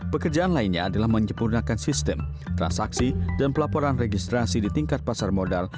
pekerjaan lainnya adalah menyempurnakan sistem transaksi dan pelaporan registrasi di tingkat pasar modal